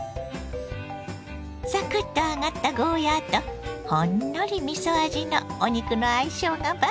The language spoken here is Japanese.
サクッと揚がったゴーヤーとほんのりみそ味のお肉の相性が抜群。